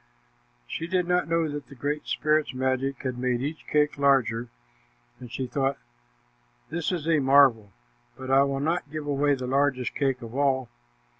She did not know that the Great Spirit's magic had made each cake larger, and she thought, "This is a marvel, but I will not give away the largest cake of all."